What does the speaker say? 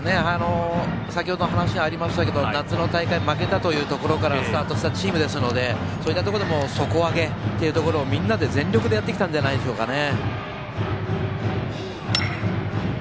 先ほど話ありましたけど夏の大会負けたというところからスタートしたというチームですのでそういったところでも底上げをみんなで全力でやってきたんじゃないですかね。